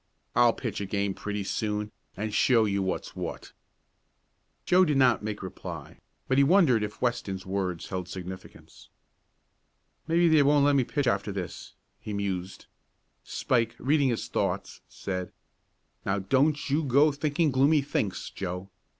"I'll pitch a game pretty soon, and show you what's what." Joe did not make reply, but he wondered if Weston's words held significance. "Maybe they won't let me pitch after this," he mused. Spike, reading his thoughts, said: "Now don't you go to thinking gloomy thinks, Joe.